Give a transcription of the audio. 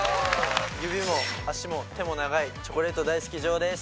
指も足も手も長いチョコレート大好きＪＯです。